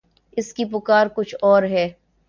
اس کی پکار کچھ اور ہے۔